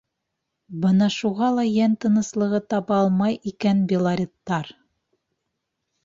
Бына шуға ла йән тыныслығы таба алмай икән белореттар.